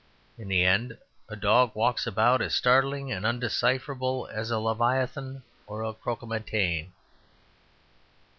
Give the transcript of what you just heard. In the end a dog walks about as startling and undecipherable as Leviathan or Croquemitaine.